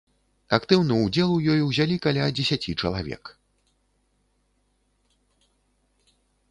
Актыўны ўдзел у ёй узялі каля дзесяці чалавек.